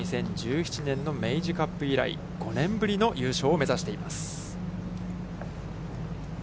２０１７年のｍｅｉｊｉカップ以来５年ぶりの優勝を目指しています。